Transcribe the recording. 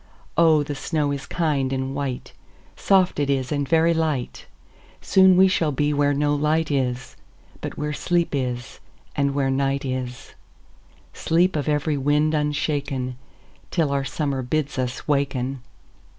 Oh, the snow is kind and white,—Soft it is, and very light; Soon we shall be where no light is, But where sleep is, and where night is,—Sleep of every wind unshaken, Till our Summer bids us waken."